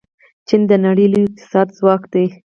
چین د نړۍ لوی اقتصادي ځواک دی.